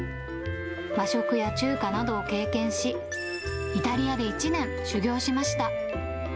和食や中華などを経験し、イタリアで１年修業しました。